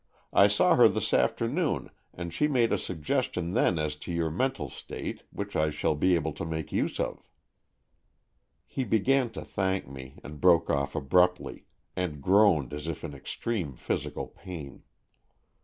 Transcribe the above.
I saw her this afternoon, and she made a suggestion then as to your mental state, which I shall be able to make use of." He began to thank me, and broke off abruptly, and groaned as if in extreme physical pain.